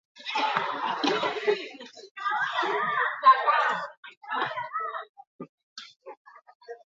Maximoak berriz gradu pare igoko dira.